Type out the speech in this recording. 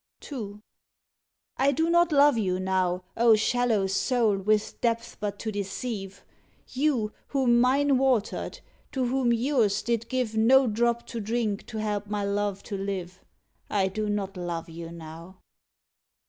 II. I do not love you now, O shallow soul, with depths but to deceive! You, whom mine watered; to whom yours did give No drop to drink to help my love to live I do not love you now.